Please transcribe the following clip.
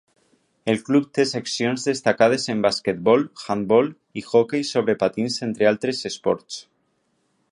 El club té seccions destacades en basquetbol, handbol i hoquei sobre patins entre altres esports.